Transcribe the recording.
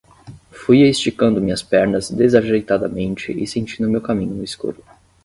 Fui esticando minhas pernas desajeitadamente e sentindo meu caminho no escuro.